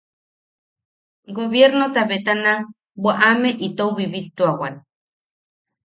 Gobiernobetana bwaʼame itou bibituawan.